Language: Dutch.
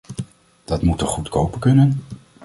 Dat moet toch goedkoper kunnen!